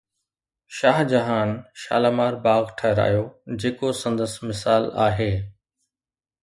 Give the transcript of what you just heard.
شاهجهان شالامار باغ ٺهرايو جيڪو سندس مثال آهي